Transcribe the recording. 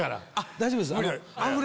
大丈夫です。